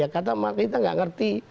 kata mari kita nggak ngerti